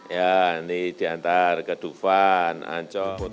ya nanti diantar ke dufan ancol